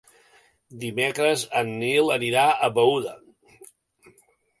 Dimecres en Nil anirà a Beuda.